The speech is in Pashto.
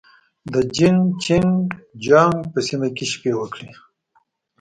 د جين چنګ جيانګ په سیمه کې شپې وکړې.